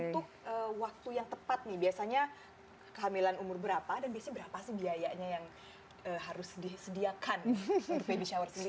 untuk waktu yang tepat nih biasanya kehamilan umur berapa dan biasanya berapa sih biayanya yang harus disediakan untuk baby shower sendiri